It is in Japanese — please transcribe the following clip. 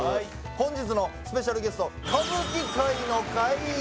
本日のスペシャルゲスト歌舞伎界の怪優